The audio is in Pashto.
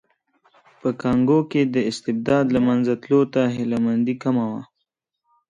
په کانګو کې د استبداد له منځه تلو ته هیله مندي کمه وه.